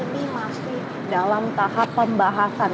ini masih dalam tahap pembahasan